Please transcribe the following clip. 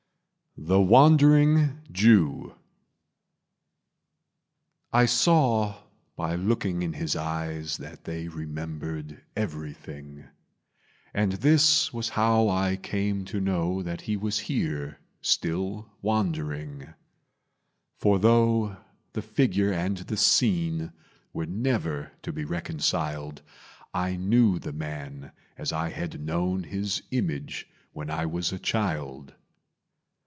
The Wandering Jew I saw by looking in his eyes That they remembered everything; And this was how I came to know That he was here, still wandering. For though the figure and the scene Were never to be reconciled, I knew the man as I had known His image when I was a child.